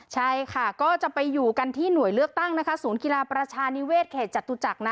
ใช่ค่ะก็จะไปอยู่กันที่หน่วยเลือกตั้งนะคะศูนย์กีฬาประชานิเวศเขตจตุจักรนะ